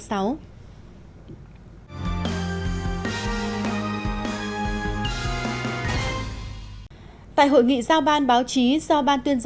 tại hội nghị giao ban báo chí do ban tuyên